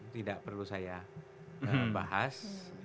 tidak perlu saya bahas